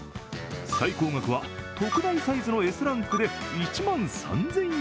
最高額は特大サイズのＳランクで１万３０００円。